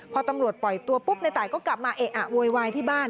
พอตำรวจปล่อยตัวปุ๊บในตายก็กลับมาเอะอะโวยวายที่บ้าน